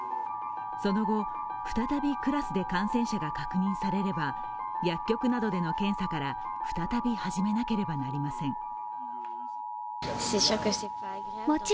その後、再びクラスで感染者が確認されれば薬局などでの検査から再び始めなければなりません。